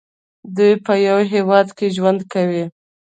دوی په یو هیواد کې ژوند کوي.